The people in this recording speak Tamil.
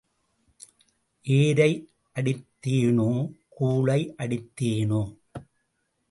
ஏரை அடித்தேனோ, கூழை அடித்தேனோ?